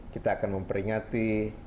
kita akan memperingati